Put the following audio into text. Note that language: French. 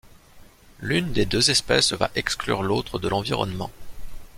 L’une des deux espèces va exclure l’autre de l’environnement.